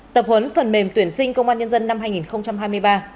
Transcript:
tập huấn phần mềm tuyển sinh công an nhân dân năm hai nghìn hai mươi ba